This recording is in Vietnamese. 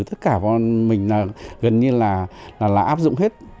tất cả bọn mình gần như là áp dụng hết